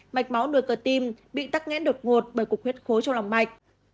mạch máu nuôi cơ tim bị tắt nghẽn đột ngột bởi cuộc huyết khối trong lòng mạch